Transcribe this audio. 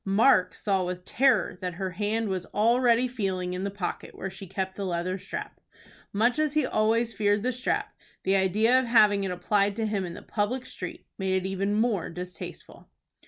Mark saw with terror that her hand was already feeling in the pocket where she kept the leather strap. Much as he always feared the strap, the idea of having it applied to him in the public street made it even more distasteful.